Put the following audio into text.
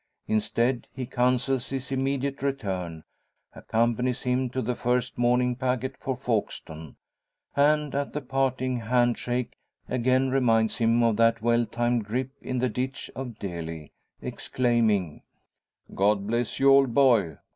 Instead, he counsels his immediate return; accompanies him to the first morning packet for Folkestone; and at the parting hand shake again reminds him of that well timed grip in the ditch of Delhi, exclaiming "God bless you, old boy!